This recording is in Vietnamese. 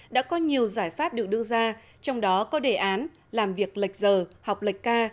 đã có nhiều giải pháp được đưa ra trong đó có đề án làm việc lệch giờ học lệch ca